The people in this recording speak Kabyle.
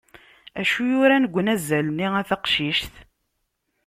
Acu yuran deg unazal-nni a taqcict?